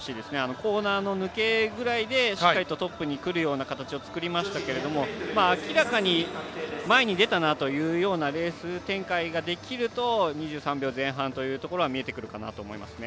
コーナーの抜けぐらいでしっかりトップに来る形作りましたけど明らかに、前に出たなというレース展開ができると２３秒前半というところは見えてくるかなと思いますね。